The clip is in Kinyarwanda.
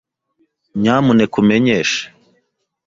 Nyamuneka umenyeshe.